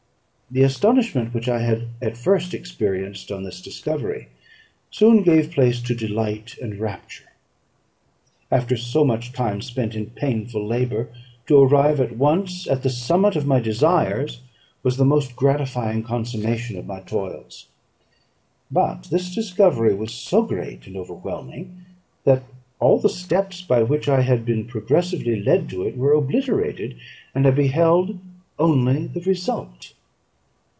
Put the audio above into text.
The astonishment which I had at first experienced on this discovery soon gave place to delight and rapture. After so much time spent in painful labour, to arrive at once at the summit of my desires, was the most gratifying consummation of my toils. But this discovery was so great and overwhelming, that all the steps by which I had been progressively led to it were obliterated, and I beheld only the result.